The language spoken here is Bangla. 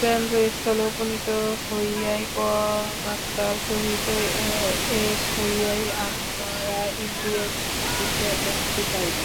কেন্দ্রস্থলে উপনীত হইয়াই, পরমাত্মার সহিত এক হইয়াই আমরা ইন্দ্রিয়ের মোহ হইতে অব্যাহতি পাইব।